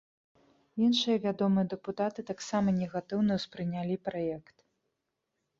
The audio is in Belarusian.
Іншыя вядомыя дэпутаты таксама негатыўна ўспрынялі праект.